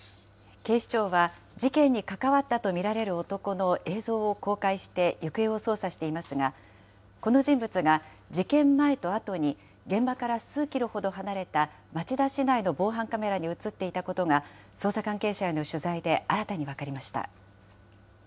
警視庁は事件に関わったと見られる男の映像を公開して行方を捜査していますが、この人物が事件前とあとに、現場から数キロほど離れた町田市内の防犯カメラに写っていたことが、捜査関係者への取材で新たに分かりました。